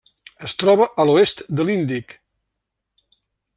Es troba a l'oest de l'Índic.